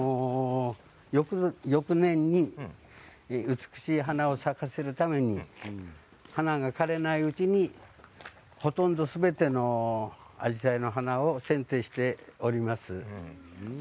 翌年に美しい花を咲かせるために花が枯れないうちにほとんどすべてのアジサイの花をせんていしております。